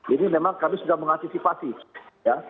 ini memang kami sudah mengantisipasi ya